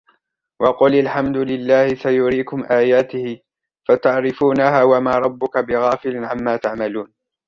وَقُلِ الْحَمْدُ لِلَّهِ سَيُرِيكُمْ آيَاتِهِ فَتَعْرِفُونَهَا وَمَا رَبُّكَ بِغَافِلٍ عَمَّا تَعْمَلُونَ